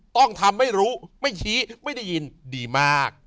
ต้องทำไม่รู้ไม่ชี้ไม่ได้ยินดีมาก